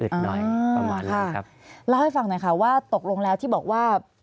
ประมาณค่ะครับเล่าให้ฟังหน่อยค่ะว่าตกลงแล้วที่บอกว่า